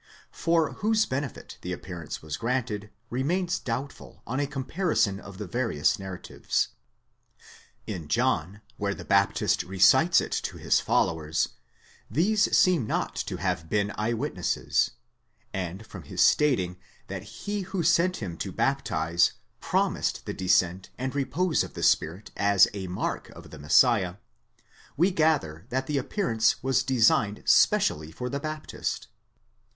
For whose benefit the appearance was granted, remains doubtful on a comparison of the various narratives. In John, where the Baptist recites it to his followers, these seem not to have been eye witnesses; and from his stating that he who sent him to baptize, promised the descent and repose of the Spirit as a mark of the Messiah, we gather that the appearance was designed specially for the Baptist.